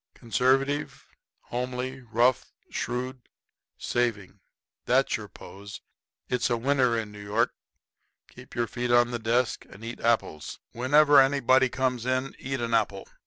Conservative, homely, rough, shrewd, saving that's your pose. It's a winner in New York. Keep your feet on the desk and eat apples. Whenever anybody comes in eat an apple.